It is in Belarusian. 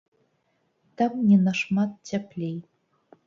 Там не нашмат цяплей.